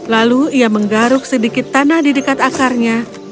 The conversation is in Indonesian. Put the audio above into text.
lalu ia menggaruk sedikit tanah di dekat akarnya